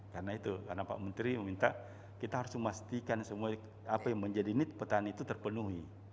karena itu karena pak menteri meminta kita harus memastikan semua apa yang menjadi need petani